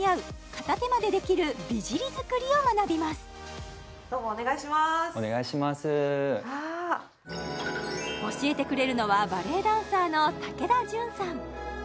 片手間でできる美尻作りを学びます教えてくれるのはバレエダンサーの竹田純さん